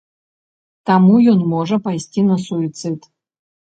Таму ён можа пайсці на суіцыд.